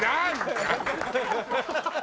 ハハハハ！